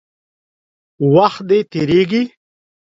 وخت دی، تېرېږي.